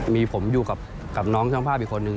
มีผมอยู่กับน้องช่างภาพอีกคนนึง